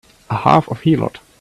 A half a heelot!